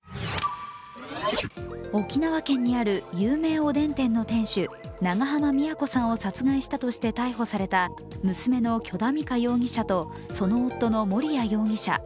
沖縄県にある有名おでん店の店主・長濱美也子さんを殺害したとして逮捕された娘の許田美香容疑者とその夫の盛哉容疑者。